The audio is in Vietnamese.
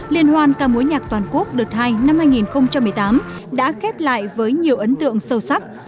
liên hoan ca mối nhạc toàn quốc đợt hai năm hai nghìn một mươi tám đã khép lại với nhiều ấn tượng sâu sắc